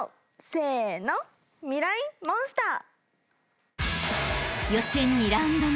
せのミライ☆モンスター。